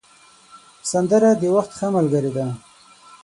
سندره د وخت ښه ملګرې ده